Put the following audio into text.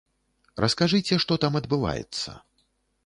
Раскажыце, што там адбываецца?